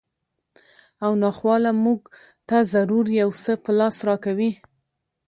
او ناخواله مونږ ته ضرور یو څه په لاس راکوي